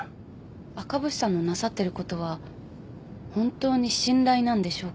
赤星さんのなさってることは本当に信頼なんでしょうか？